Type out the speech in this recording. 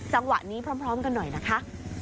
จังหวะนี้พร้อมกันหน่อยนะคะ